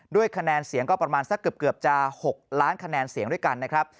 ด้วยคะแนนเสียงก็ประมาณสักเกือบจะ๖ล้านคะแนนเสียงด้วยกันนะครับ